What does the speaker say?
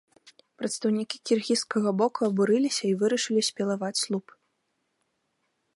Прадстаўнікі кіргізскага боку абурыліся і вырашылі спілаваць слуп.